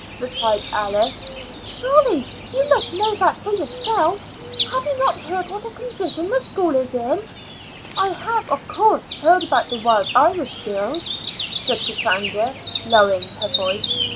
replied Alice. "Surely you must know that for yourself. Have you not heard what a condition the school is in?" "I have, of course, heard about the Wild Irish Girls," said Cassandra, lowering her voice.